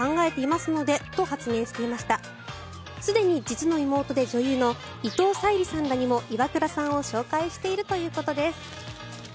すでに実の妹で女優の伊藤沙莉さんらにもイワクラさんを紹介しているということです。